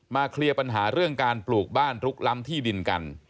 เคลียร์ปัญหาเรื่องการปลูกบ้านลุกล้ำที่ดินกัน